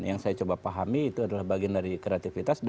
yang saya coba pahami itu adalah bagian dari kreativitas